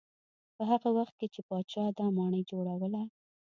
په هغه وخت کې چې پاچا دا ماڼۍ جوړوله.